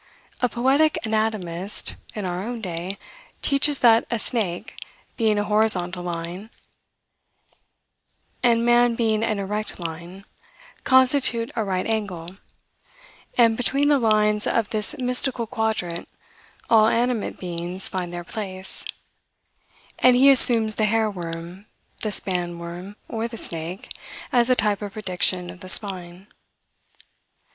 A poetic anatomist, in our own day, teaches that a snake, being a horizontal line, and man, being an erect line, constitute a right angle; and, between the lines of this mystical quadrant, all animate beings find their place; and he assumes the hair worm, the span worm, or the snake, as the type of prediction of the spine.